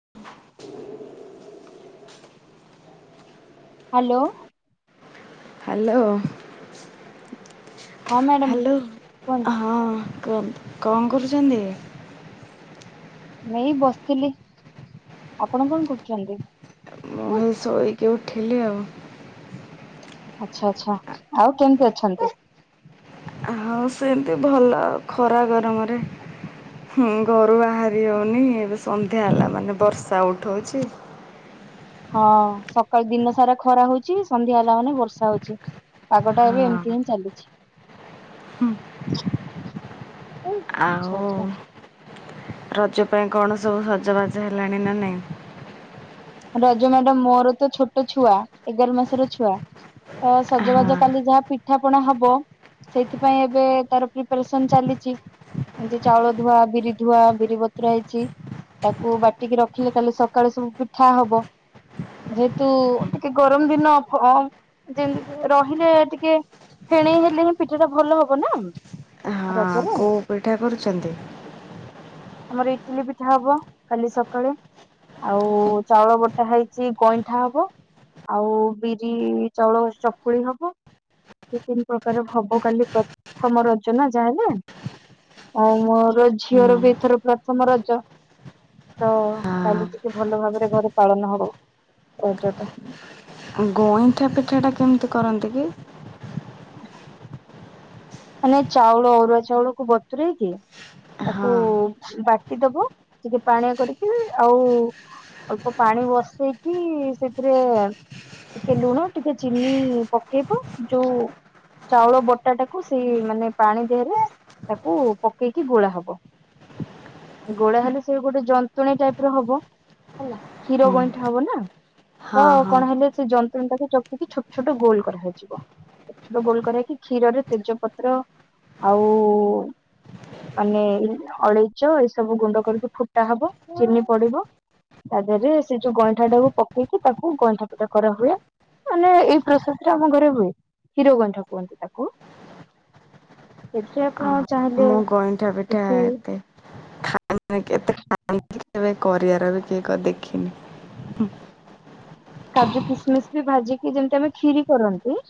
[inaudible] Hello. Hello. ହଁ madam hello କୁହନ୍ତୁ ହଁ କୁହନ୍ତୁ କଣ କରୁଛନ୍ତି? ମୁଁ ଏଇ ବସିଥିଲି ଆପଣ କଣ କରୁଛନ୍ତି? ମୁଁ ସେଇ ଶୋଇକି ଉଠିଲି ଆଉ। ଆଛା ଆଚ୍ଛା ଆଉ କେମିତି ଅଛନ୍ତି? ହଁ ସେମିତି ଭଲ ଆଉ ଖରା ଗରମରେ। ହୁଁ ଘରୁ ବାହାରି ହଉନି ଏବେ ସନ୍ଧ୍ୟା ହେଲା ମାନେ ବର୍ଷା ଉଠଉଛି। ହଁ ସକାଳୁ ଦିନ ସାରା ଖରା ହଉଚି ସନ୍ଧ୍ୟା ହେଲା ମାନେ ବର୍ଷା ହଉଛି। ପାଗଟା ଏବେ ହଁ। ଏମିତି ହିଁ ଚାଲିଛି। ହୁଁ। ଆଚ୍ଛା ଆଉ ଆଚ୍ଛା ରଜ ପାଇଁ କଣ ସବୁ ସଜବାଜ ହେଲାଣି ନା ନାଇଁ? ରଜ ମ୍ୟାଡାମ ମୋର ତ ଛୋଟ ଛୁଆ ଏଗାର ମାସର ଛୁଆ। ତ ସଜବାଜ ହଁ। କାଲି ଯାହା ପିଠା ପଣା ହବ। ସେଇଥିପାଇଁ ଏବେ ତାର ପ୍ରିପାରେସନ ଚାଲିଛି। ଏମିତି ଚାଉଳ ଧୁଆ ବିରି ଧୁଆ ବିରି ବତୁରା ହେଇଛି। ତାକୁ ବାଟିକି ରଖିଲେ କାଲେ ସକାଳେୁ ସବୁ ପିଠା ହବ। ଯେହେତୁ ଟିକେ ଗରମ ଦିନ ଫ ଯେମ ରହିଲେ ଟିକେ। ଫେଣେଇ ହେଲେ ହିଁ ପିଠା ଟା ଭଲ ହବ ନା ହଁ ରଜ ରେ। କୋଉ ପୀଠା କରୁଛନ୍ତି? ଆମର ଇଟିଲି ପିଠା ହବ କାଲି ସକାଳେ ଆଉ ‌। ଚାଉଳ ବଟା ହେଇଛି ଗଇଁଠା ହବ। ଆଉ ବିରି ଚାଉଳ ଚକୁଳି ହବ। ଦି ତିନି ପ୍ରକାର ହବ କାଲି ପ୍ରଥମ ରଜ ନା ଯାହ ହେଲେ। ଆଉ ମୋର ହଁ। ଝିଅର ବି ଏଥର ପ୍ରଥମ ରଜ। ତ କାଲି ଟିକେ ଭଲ ଭାବରେ ଘରେ ପାଳନ ହବ ରଜଟା। ଗଇଁଠା ପିଠା ଟା କେମିତି କରନ୍ତି କି? ମାନେ ଚାଉଳ ଅରୁଆ ଚାଉଳ କ ବତୁରଇ କି। ହଁ। ତାକୁ ବାଟି ଦବ ଟିକେ ପାଣିଆ କରିକି ଆଉ। ଅଳ୍ପ ପାଣି ବସେଇକି ସେଥିରେ। ଟିକେ ଲୁଣ ଟିକେ ଚିନି ପକେଇବ ଯୋଉ ଚାଉଳ ବଟା ଟା। ତାକୁ ସେଇ ମାନେ ପାଣି ଦେହରେ ତାକୁ ପକେଇକି ଗୋଳା ହବ। ଗୋଳା ହେଲେ ସେ ଗୋଟେ ଜନ୍ତୁଣୀ ଟାଇପ ର ହବ ହେଲା କ୍ଷୀର ହୁଁ ଗଇଁଠା ହବ ନା। ତ ହଁ ହଁ କଣ ହେଲେ ସେ ଯନ୍ତ୍ରଣା ଟାକୁ ଚକୁଡି ଛୋଟ ଛୋଟ ଗୋଲ କରାଇଯିବ ଛୋଟ ଛୋଟ ଗୋଲ କରକି କ୍ଷୀରରେ - ତେ ଜପତ୍ର ଆଉ - ମାନେ ଅଳେଇଚ ଏଇ ସବୁ ଗୁଣ୍ଡ କରିକୁ ଫୁଟା ହବ ଚିନି ପଡିବ। ତା ଦେହରେ ସେ ଯୋଉ ଗଇଁଠା ଟାକୁ ପକେଇକି ତାକୁ ଗଇଁଠା ପିଠା କରାହୁଏ। ମାନେ ଏଇ ପ୍ରୋସେସରେ ଆମ ଘରେ ହୁଏ କ୍ଷୀର ଗଇଁଠା କୁହନ୍ତି ତାକୁ। ସେଥିରେ ଅ ଆପଣ ଚାହିଁଲେ ମୁଁ ଗଇଁଠା ପିଠା କିଛି ଏତେ - ଖାଆନ୍ତି କେବେ କରିଆର ବି କିଏ ଦେଖିନି। କାଜୁ କିସମିସ ବି ଭାଜିକି ଯେମିତି ଆମେ ଖିରି କରନ୍ତି।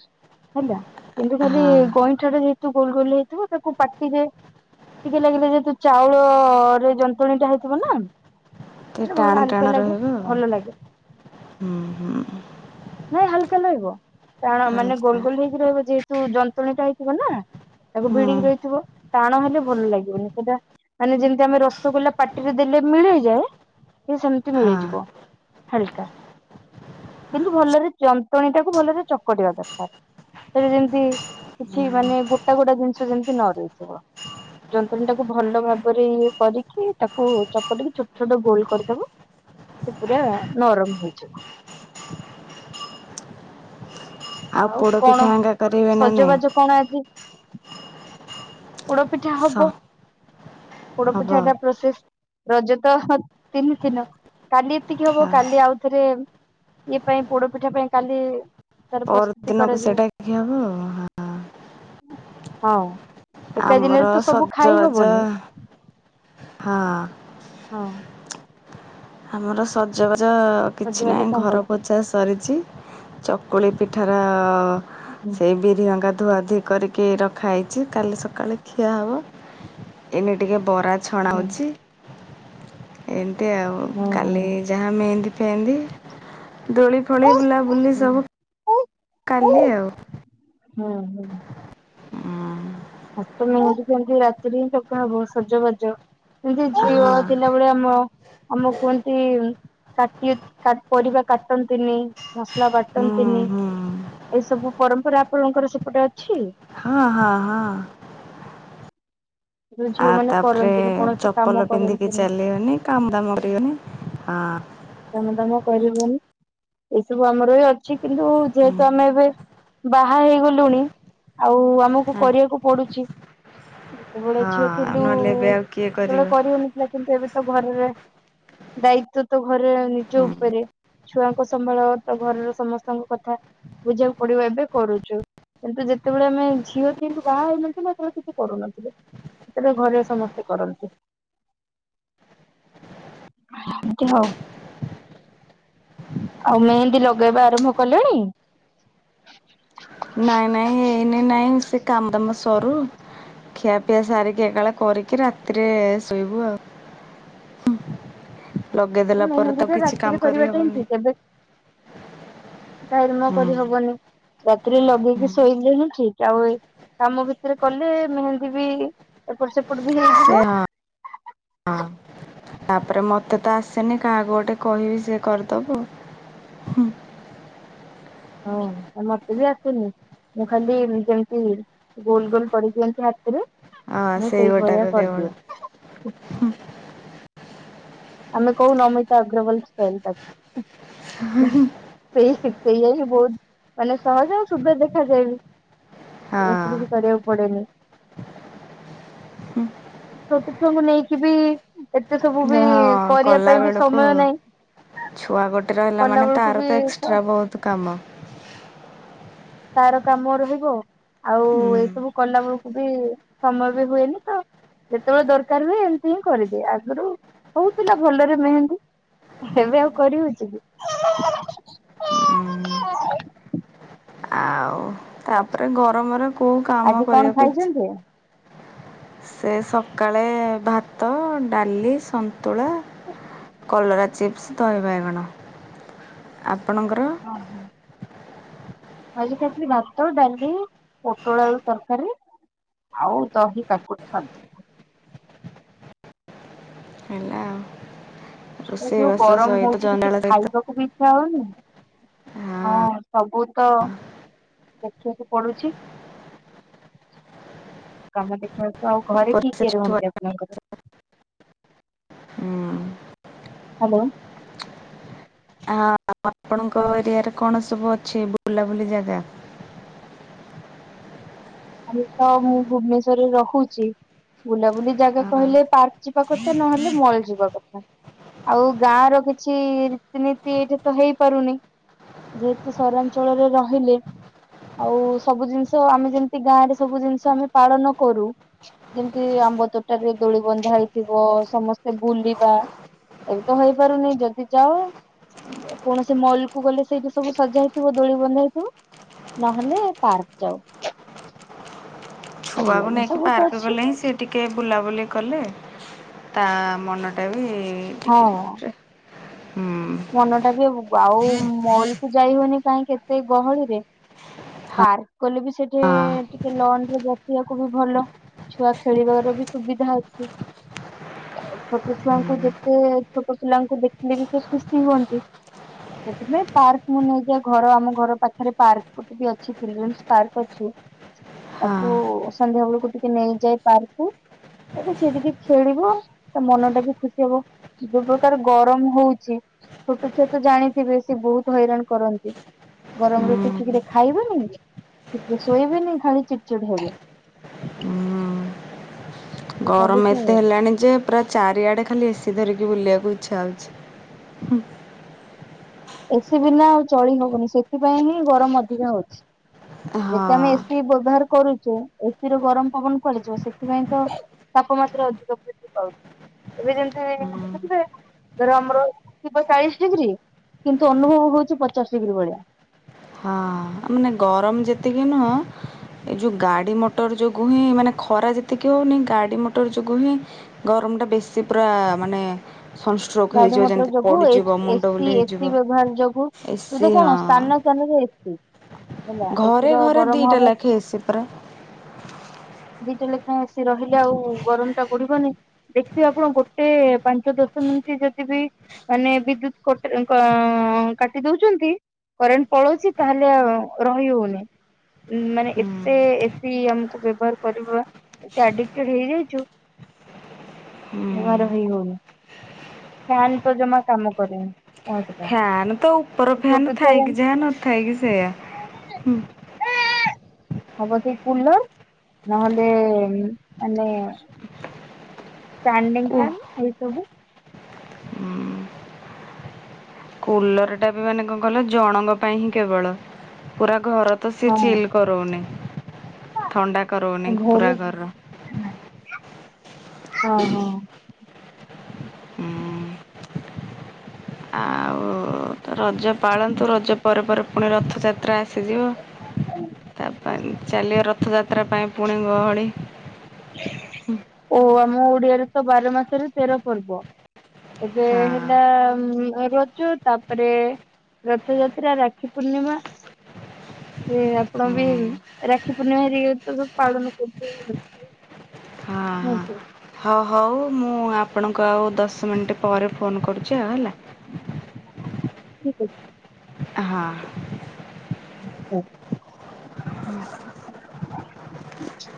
ହେଲା କିନ୍ତୁ ଖାଲି ହଁ ଗଇଁଠାରେ ଯେହେତୁ ଗୋଲ ଗୋଲ ହେଇଥିବ ତାକୁ ପାଟିରେ ଟିକେ ଲାଗିଲେ ଯେ ତୁ ଚାଉଳରେ ଯନ୍ତୁଆଣୀ ଟା ହେଇଥିବ ନା। ଟିକେ ଟାଣ [unintelligible] ଆଲୁକା ଟାଣ ଲାଗେ ରହିବ ଆଉ ଭଲ ଲାଗେ। ହୁଁ ହୁଁ। ନାଇଁ ହାଲୁକା ଲାଗିବ କାରଣ ମାନେ ହାଲକା ଗୋଲ ଗୋଲ ହେଇକି ରହିବ ଯେହେତୁ ଯନ୍ତୁଆଣୀ ଟା। [unintelligible] ନା ହୁଁ ବିଡିଗି ରହିଥିବ। ଟାଣ ହେଲେ ଭଲ ଲାଗିବନି ସେଇଟା ମାନେ ଯେମିତି ଆମେ ରସଗୋଲା ପାଟିରେ ଦେଲେ ମିଳେଇଯାଏ। ଏ ସେମିତି ହଁ ମିଳିଯିବ ହାଲକା କିନ୍ତୁ ଭଲରେ ଯନ୍ତୁଆଣୀ ଟାକୁ ଭଲରେ ଚକଟିବା ଦରକାର। ସେଠି ଯେମତି କିଛି ମାନେ ଗୋଟା ଗୋଟା ଜିନିଷ ଯେମତି ନ ରହିଥିବ। [unintelligible] ଯାନ୍ତୁଣିଟାକୁ ଭଲ ଭାବରେ ଇଏ କରିକି ତାକୁ ଚକଟିକି ଛୋଟ ଛୋଟ ଗୋଲ କରିଦବ। ସେ ପୁରା ନରମ ହେଇଯିବ। ଆଉ କଣ ପୋଡ଼ପିଠା ହେଙ୍କା କରିବେ ନା ନାଇଁ ସଜବାଜ କଣ ଆଜି? ପୋଡପିଠା ସ ହବ ପୋଡ ହବ ପିଠାଟା ପ୍ରସିସ୍ ରଜ ତ ତିନି ଦିନ କାଲି ଏତିକି ହବ ହଁ କାଲି ଆଉ ଏଥିରରେ ଇଏ ପାଇଁ ପୋଡ ପିଠା ପାଇଁ କାଲି ତାର ପ୍ରସ୍ତୁତି ପରଦିନକୁ କରାଯିବ ସେଇଟା ଖିଆ ହବ। ହଁ। ଏକା ଦିନରେ ଆମର ତ ସବୁ ଖାଇ ସଜବାଜ ହବନି ହଁ। ହଁ। ଆମର ସଜବାଜ କିଛି ଭୋଜିଭାତ ନାହିଁ କଣ ଘର କରିବୁ ପୋଛା ସରିଛି। ଚକୁଳି ପିଠାର ହୁଁ ସେଇ ବିରିଅଙ୍ଗା ଧୁଆଧୁଇ କରିକି ରଖା ହେଇଛି କାଲି ସକାଳେ ଖିଆ ହବ। ଏନେ ଟିକେ ବରା ଛଣା ହୁଁ ହଉଛି ଏମିତି ଆଉ। ହୁଁ କାଲି ଯାହା ମେହେନ୍ଦୀ ଫେହେନ୍ଦୀ ଦୋଳି ଫୋଳି ହୁଁ ବୁଲାବୁଲି ହୁଁ ସବୁ କାଲି ଆଉ। ହୁଁ ହୁଁ। ଆ ତୁମେ ଆଜି ଯେମତି ରାତିରେ ହିଁ ଥକା ହବ ସଜବାଜ। ଏମିତି ଝିଅ ହଁ ଥିଲାବେଳେ ଆମ ଆମକୁ କୁହନ୍ତି। କାଟିଏ କାଟ୍ ପରିବା କାଟନ୍ତିନି ମସଲା ହୁଁ ବାଟନ୍ତିନି। ହୁଁ ଏଇ ସବୁ ପରମ୍ପରା ଆପଣଙ୍କର ସେପଟେ ଅଛି? ହଁ ହଁ ହଁ। ଯୋଉ ଝିଅ ଆଉ ମାନେ ତାପରେ କରନ୍ତିନି କୌଣସି କାମ ଚପଲ ପିନ୍ଧିକି କରନ୍ତିନି ଚାଲିିବନି କାମ ଦାମ କରିବନି ହଁ। କାମ ଦାମ କରିବନି ଏସବୁ ଆମର ବି ଅଛି କିନ୍ତୁ ଯେହେତୁ ଆମେ ଏବେ ବାହା ହେଇଗଲୁଣି ଆଉ ଆମକୁ ହଁ କରିୟାକୁ ପଡୁଚି। ଯେତେବେଳେ ଝିଅ ହଁ ଥିଲୁ ନହେଲେ ଏବେ ଆଉ କିଏ ସେତେବେଳେ କରିବ? କରିହଉ ନଥିଲା କିନ୍ତୁ ଏବେ ତ ଘରର [inaudible] ଦାୟିତ୍ଵ ତ ଘରେ ନିଜ ହୁଁ ଉପରେ। ଛୁଆକୁ ସମ୍ଭାଳ ତ ଘରର ସମସ୍ତଙ୍କ କଥା ବୁଝିବାକୁ ପଡିବ। ଏବେ କରୁଛୁ। କିନ୍ତୁ ଯେତେବେଳେ ଆମେ ଝିଅ ଥିଲୁ ବାହା ହେଇନଥିଲୁ ସେତେବେଳେ କିଛି କରୁନଥୁଲୁ। ଏବେ ଘରେ ସମସ୍ତେ କରନ୍ତି। [inaudible] ଏମତି ହଉ। ଆଉ ମେହେନ୍ଦୀ ଲଗେଇବା ଆରମ୍ଭ କଲେଣି? ନାଇଁ ନାଇଁ ଏଇନେ ନାଇଁ ସେ କାମ୍ ଦାମ୍ ସରୁ। ଖିଆ ପିଆ ସାରିକି ଏକାବେଳେ କରିକି ରାତିରେ ଶୋଇବୁ ଆଉ। [unintelligible] ପରେ ତ ମେହେନ୍ଦି ଟା କିଛି କାମ ରାତିରେ କରିବାଟା ହିଁ କରିହବନି ଠିକ ଏବେ। ଟାଇମ ନାଇଁ ହୁଁ କରିହବନି ରାତିରେ ଲଗେଇକି ଶୋଇଲେ ହିଁ ଠିକ୍ ଆଉ ଏଇ କାମ ଭିତରେ କଲେ ମେହେନ୍ଦୀ ବି ଏପଟ ସେପଟ ବି ହେ ସେ ହଁ। ହଁ ତାପରେ ମତେ ତ ଆସେନି କାହାକୁ ଗୋଟେ କହିବି ସେ କର୍ ଦବ। ହଁ ମତେ ବି ଆସେନି ମୁଁ ଖାଲି ଏମ ଯେମତି ଗୋଲ ଗୋଲ କରିଦିଅନ୍ତି ହାତରେ ହଁ ମୁଁ ସେଇ ଗୋଟାକ ସେଇଭଳିଆ କର୍ କେବଳ ଦିଏ। ଆମେ କଉ ନମିତା ଅଗ୍ରୱାଲ ଷ୍ଟାଇଲ କାଟୁ ହୁଁ ହୁଁ। ସେଇ ସେଇଆହି ବହୁତ୍ ମାନେ ସହଜ ଆଉ ସୁନ୍ଦର ଦେଖାଯାଏ ବି। ବେଶି ହଁ କିଛି କରିବାକୁ ପଡେନି। ଛୋଟ ଛୁଆଙ୍କୁ ନେଇକି ବି ଏତେ ସବୁ ବି ହଁ କରିବା କଲା ପାଇଁ ବି ବେଳକୁ ସମୟ ନାହିଁ ଛୁଆ ଗୋଟେ ରହିଲା କଲା ମାନେ ବେଳକୁ ତାର ବି ତ ଏକ୍ସଟ୍ରା ବହୁତ ତ କାମ। ତାର କାମ ରହିବ ଆଉ ହୁଁ। ଏସବୁ କଲା ବେଳକୁ ବି ସମୟ ବି ହୁଏନି ତ ଯେତେବେଳେ ଦରକାର ହୁଏ ଏମିତି ହିଁ କରିଦିଏ ଆଗରୁ ହଉଥିଲା ଭଲରେ ମେହେନ୍ଦୀ ଏବେ ଆଉ କରି ହଉଛି କି। ଉଁ [inaudible] ଆଉ ତାପରେ ଗରମରେ କୋଉ କାମ ଆଜି କଣ କରିବାକୁ ଇଚ୍ଛା ଖାଇଛନ୍ତି? ସେ ସକାଳେ ଭାତ ଡାଲି ସନ୍ତୁଳା କଲରା ଚିପ୍ ଚିପ୍ସ ଦହି ବାଇଗଣ ଆପଣଙ୍କର? ମୁଁ ଆଜି ଖାଇଥିଲି ଭାତ ଡାଲି ପୋଟଳଆଳୁ ତରକାରୀ ଆଉ ଦହି କାକୁଡି ସାଲୁଟ ହେଲା ଆଉ। ଏ ଯୋଉ ରୋଷେଇବାସ ଗରମ ସହିତ ହଉଛି କିଛି ଜଞ୍ଜାଳ ସହିତ ଖାଇବାକୁ ବି ଇଚ୍ଛା ହଉନି। ହଁ ସବୁ ତ ଦେଖିବାକୁ ପଡୁଛି। [inaudible] କାମ ଦେଖିବାକୁ ଆଉ ଘରେ କିଏ ଉପରେ ସେ କିଏ ଛୁଆ ରୁହନ୍ତି ଆପଣଙ୍କର? ହଁ ଅଁ। ହାଲୋ। ହଁ ଆପଣଙ୍କ ଏରିଆରେ କଣ ସବୁ ଅଛି ବୁଲାବୁଲି ଜାଗା? ଆମେ ତ ମୁଁ ଭୁବନେଶ୍ଵରରେ ରହୁଚି। ବୁଲାବୁଲି ଜାଗା କହିଲେ ପାର୍କ ଯିବା କଥା ନହେଲେ ମଲ ଯିବା କଥା। ଆଉ ଗାଁ ର କିଛି ରୀତିନୀତି ଏଇଠି ତ ହେଇପାରୁନି। ଯେହେତୁ ସହରାଞ୍ଚଳରେ ରହିଲେ ଆଉ ସବୁ ଜିନିଷ ଆମେ ଯେମ ତି ଗାଁ ରେ ସବୁ ଜିନିଷ ଆମେ ପାଳନ କରୁ। ଯେମିତି ଆମ୍ବ ତୋଟାରେ ଦୋଳି ବନ୍ଧା ହେଇଥିବ ସମସ୍ତେ ବୁଲିବା ଏଠି ତ ହେଇପାରୁନି ଯଦି ଯାଅ କୌଣସି ମଲ୍ କୁ ଗଲେ ସେଇଠି ସବୁ ସଜା ହେଇଥିବ ଦୋଳି ବନ୍ଧା ହେଇଥିବ। ନହେଲେ ପାର୍କ ଯାଉ। ବୁଲିବା ଛୁଆକୁ ଜିନିଷ ନେଇକି ବହୁତ ପାର୍କ ଅଛି ଗଲେ ହିଁ ସେ ଟିକେ ବୁଲାବୁଲି କଲେ ତା ମନଟା ବି ହଁ ଅଁ ଟିକେ ହୁଁ ମନ ଟା ବି ଆଉ ମଲ କୁ ଯାଇ ହଉନି କାହିଁ କେତେ ଗହଳିରେ ପାର୍କ କଲେ ବି ସେଠି ହଁ। ଟିକେ ଲନରେ ବସିବାକୁ ବି ଭଲ ଛୁଆ ଖେଳିବାର ବି ସୁବିଧା ଅଛି ଛୋଟ ଛୁଆଙ୍କୁ ଯେତେ ଛୋଟ ପିଲାଙ୍କୁ ଦେଖିଲେ ବି ସେ ଖୁସି ହୁଅନ୍ତି ସେଥିପାଇଁ ପାର୍କ ମୁଁ ନେଇଯାଏ ଘର ଆମ ଘର ପାଖରେ ପାର୍କ ସେଠି ବି ଅଛି ଚିଲଡ୍ରେନ୍ସ ପାର୍କ ଅଛି ତାକୁ ହଁ ସନ୍ଧ୍ୟା ବେଳକୁ ଟିକେ ନେଇଯାଏ ପାର୍କକୁ ଏଠି ସେ ଟିକେ ଖେଳିବ ତା ମନ ଟା ବି ଖୁସି ହବ ଯୋଉ ପ୍ରକାର ଗରମ ହଉଛି ଛୋଟ ଛୁଆ ତ ଜାଣିଥିବେ ସେ ବହୁତ ହଇରାଣ କରନ୍ତି ଗରମରେ ହୁଁ ସେ ଠିକରେ ଖାଇବନି ଟିକିରେ ଶୋଇବେନି ଖାଳି ଚିଡ଼ ଚିଡ଼ ହେବେ ହୁଁ ସେ ଗରମ ଚାଲିଛି ଆଉ। ଏତେ ହେଲାଣି ଯେ ପୁରା ଚାରିଆଡ଼େ ଖାଲି ଏସିି ଧରିକି ବୁଲିବାକୁ ଇଚ୍ଛା ହେଉଛି ଏସି ବିନା ଆଉ ଚଳି ହଉନି ସେଥିପାଇଁ ହିଁ ଗରମ ଅଧିକା ହଉଛି ହଁ ଯେତେ ଆମେ ଏସିି ବ୍ୟବହାର କରୁଛେ ଏସିରୁ ଗରମ ପବନ କୁଆଡେ ଯିବ ସେଥିପାଇଁ ତ ତାପମାତ୍ରା ଅଧିକ ବୃଦ୍ଧି ପାଉଛି ଏବେ ଯେମତି ହୁଁ ଦେଥିବେ ଧର ଆମର ଥିବ ଚାଳିଶ ଡିଗ୍ରୀ କିନ୍ତୁ ଅନୁଭବ ହଉଛି ପଚାଶ ଡିଗ୍ରୀ ଭଳିଆ ହଁ ମାନେ ଗରମ ଯେତିକି ନୁହଁ ଏଇ ଯୋଉ ଗାଡି ମଟର ଯୋଗୁ ହିଁ ମାନେ ଖରା ଯେତିକି ହଉନି ଗାଡି ମଟର ଯୋଗୁ ହିଁ ଗରମଟା ବେଶୀ ପୁରା ମାନେ ସନଷ୍ଟ୍ରୋକ୍ ଗାଡି ହେଇଯିବ ମଟର ଯେମିତି ଯୋଗୁ ପଡ଼ିଯିବ ମୁଣ୍ଡ ଏସି ବୁଲେଇ ହେଇଯିବ। ଏସି ବ୍ୟବହାର ଯୋଗୁ ଏ ଏସିି ତ ହଁ କଣ ସ୍ଥାନ ଚନେ ଏଛି ଘରେ ଘରେ ଦିଟା ଲେଖେଇସି ପା ଦିଟା ଲେଖାଏଁ ଆସି ରହିଲେ ଆଉ ଗରମ ଟା ବଢିବନି ଦେଖିବେ ଆପଣ ଗୋଟେ ପାଞ୍ଚ ଦଶ ମିନିଟ ଯଦି ବି ମାନେ ବିଦ୍ୟୁତ କ କାଟି ଦଉଛନ୍ତି କରେଣ୍ଟ ପଳଉଛି ତାହଲେ ରହି ହଉନି ମାନେ ହୁଁ ଏତେ ଏସି ଆମକୁ ବ୍ୟବହାର କରିବା ଏେଡଟ ହେଇଯାଇଛୁ ହୁଁ। ବମାର ହେଇ ହଉନି ଫ୍ୟାନ୍ ତ ଜମା କାମ କରିନି ଫ୍ୟାନ ତ ଉପର ଫ୍ୟାନ ଛୁଆ ଥାଇକି ଯା ନଥାଇ କିି ସେୟା [inaudible] ହବ ସେଇ କୁଲର ନହେଲେ ମାନେ ଏଇ କୁ ସବୁ କୁଲର୍ଟା ବି ମାନେ କଣ କଲ ଜଣଙ୍କ ପାଇଁ ହିଁ କେବଳ ପୁରା ଘର ତ ସିଏ ଚିଲ୍ କରଉନି ହଁ ଥଣ୍ଡା କରାଉନି ପୁରା ଭୋରୁ ଘର୍ର ହଁ ହଁ ହୁଁ ଆଉ ତ ରଜ ପାଳନ୍ତୁ ରଜ ପରେ ପରେ ପୁଣି ରଥଯାତ୍ରା ଆସିଯିବ ତାପ ଚାଲିବ ରଥଯାତ୍ରା ପାଇଁ ପୁଣି ଗହଳି ଓ ଆମ ଓଡିଆରେ ତ ବାର ମାସରେ ତେର ପର୍ବ ଏବେ ହଁ। ହେଲା ରଜ ତାପରେ ରଥଯାତ୍ରା ରାକ୍ଷୀ ପୂର୍ଣ୍ଣିମା ସେ ଆପଣ ହୁଁ ବି ରାକ୍ଷୀ ପୂର୍ଣ୍ଣିମା ହେରିକି ତ ସବୁ ପାଳନ କରୁଥିବେ ହୁଁ ହ ହଉ ହଉ ମୁଁ ଆପଣଙ୍କୁ ଆଉ ଦଶ ମିନିଟ୍ ପରେ ଫୋନ୍ କରୁଛି ଆଉ ହେଲା ଠିକ ଅଛି ହଁ ଆଚ୍ଛା।